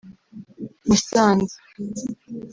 Musanze